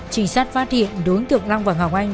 trinh sát phát hiện đối tượng long và ngọc anh